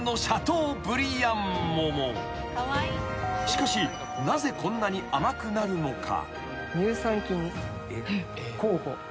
［しかしなぜこんなに甘くなるのか？］